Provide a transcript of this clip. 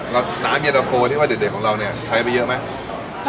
แล้วน้ำเย็นตะโฟที่ว่าเด็ดของเราเนี่ยใช้ไปเยอะไหม